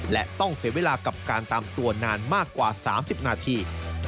และต้องเสียเวลากับการตามตัวนานมากกว่า๓๐นาที